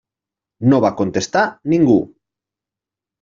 No va contestar ningú.